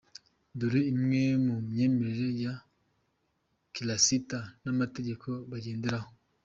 Dore imwe mu myemerere ya Kirasta n’amategeko bagenderaho:.